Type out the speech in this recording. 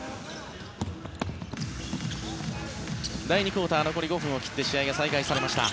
第２クオーター残り５分を切って試合が再開されました。